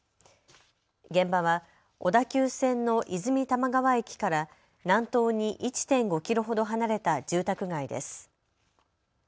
現場は小田急線の和泉多摩川駅から南東に１．５キロほど離れた住宅街です。